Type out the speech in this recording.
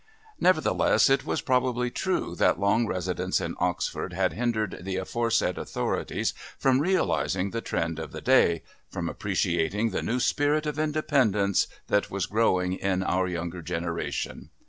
Nevertheless it was probably true that long residence in Oxford had hindered the aforesaid authorities from realising the trend of the day, from appreciating the new spirit of independence that was growing up in our younger generation.